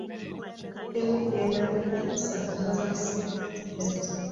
Obudde bwo kugenda ku kanisa bwa mpiseko dda.